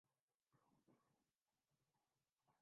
تو پھر نوازشریف صاحب کا بیانیہ ہی واحد راستہ ہے۔